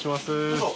どうぞ。